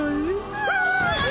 うわ！